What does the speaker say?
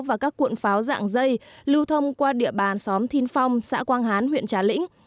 và các cuộn pháo dạng dây lưu thông qua địa bàn xóm thiên phong xã quang hán huyện trà lĩnh